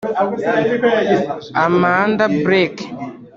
Amanda Blake